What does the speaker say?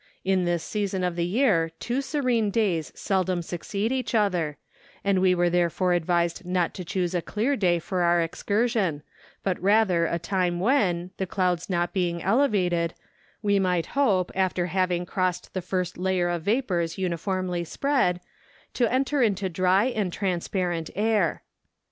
In this season of the year two serene days seldom succeed each other, and we were therefore advised not to choose a clear day for our excursion, but rather a time when, the clouds not being elevated, we might hope, after having crossed the first layer of vapours uniformly spread, to enter into dry and transparent air.